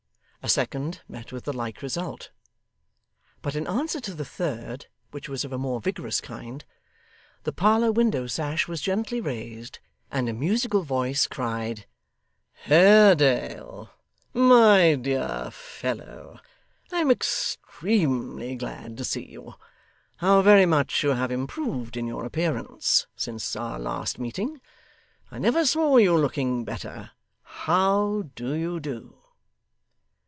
A second met with the like result. But in answer to the third, which was of a more vigorous kind, the parlour window sash was gently raised, and a musical voice cried: 'Haredale, my dear fellow, I am extremely glad to see you. How very much you have improved in your appearance since our last meeting! I never saw you looking better. HOW do you do?